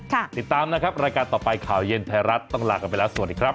ติดตามนะครับรายการต่อไปข่าวเย็นไทยรัฐต้องลากันไปแล้วสวัสดีครับ